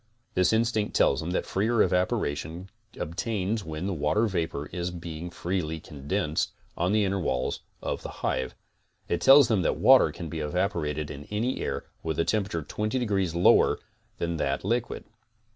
This instinct tells them that freer evaporation obtains when the water vapor is being freely condensed on the inner walls of the hive. It tells them that water can be evaporated in any air with a tempera 82 CONSTRUCTIVE BEEKEEPING ture 20 degrees lower than that liquid.